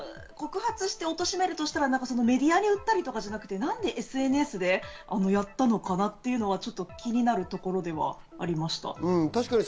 何で告発して、おとしめるとしたら、メディアに売ったりとかじゃなくて、なんでＳＮＳでやったのかなっていうのはちょっと気になるところではありました。